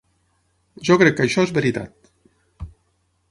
Jo crec que això és veritat.